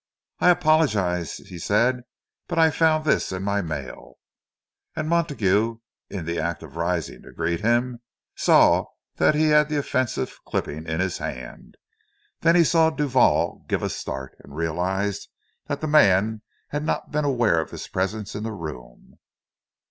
"I apologize," he said—"but I found this in my mail—" And Montague, in the act of rising to greet him, saw that he had the offensive clipping in his hand. Then he saw Duval give a start, and realized that the man had not been aware of his presence in the room.